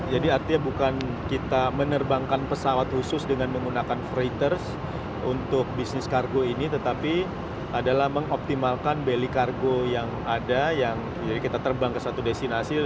jadi artinya bukan kita menerbangkan pesawat khusus dengan menggunakan freighters untuk bisnis kargo ini tetapi adalah mengoptimalkan belly cargo yang ada yang kita terbang ke satu destinasi